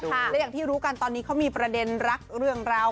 และอย่างที่รู้กันตอนนี้เขามีประเด็นรักเรื่องราว